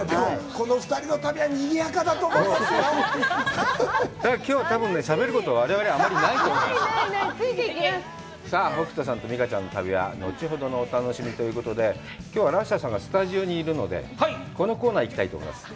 この２人の旅はにぎやかだと思いますよだから今日たぶんねしゃべることわれわれあまりないと思うさぁ北斗さんと美佳ちゃんの旅は後ほどのお楽しみということで今日はラッシャーさんがスタジオにいるのでこのコーナーいきたいと思います